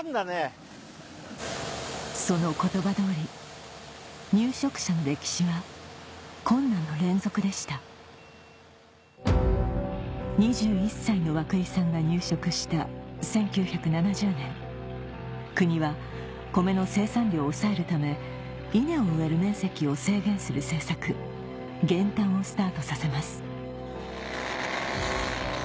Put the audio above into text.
その言葉通り入植者の歴史は困難の連続でした２１歳の涌井さんが入植した１９７０年国はコメの生産量を抑えるため稲を植える面積を制限する政策減反をスタートさせます